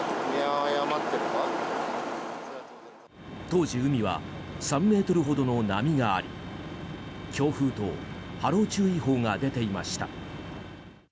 当時、海は３ｍほどの波があり強風と波浪注意報が出ていました。